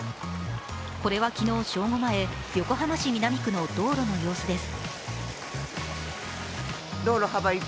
これは昨日、正午前、横浜市南区の道路の様子です。